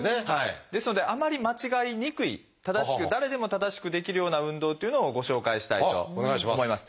ですのであまり間違えにくい正しく誰でも正しくできるような運動というのをご紹介したいと思います。